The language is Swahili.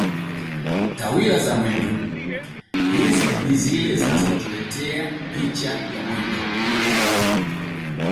Tawira za mwendo: Hizi ni zile zinazotuletea picha ya mwendo